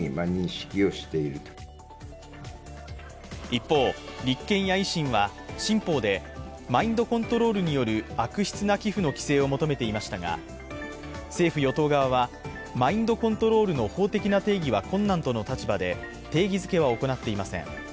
一方、立憲や維新は新法でマインドコントロールによる悪質な寄付の規制を求めていましたが政府・与党側はマインドコントロールの法的な定義は困難との立場で、定義づけは行っていません。